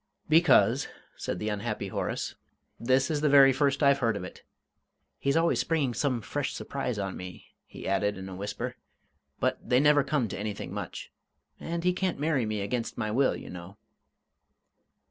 "Because," said the unhappy Horace, "this is the very first I've heard of it. He's always springing some fresh surprise on me," he added, in a whisper "but they never come to anything much. And he can't marry me against my will, you know."